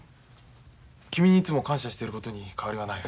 君にいつも感謝してることに変わりはない。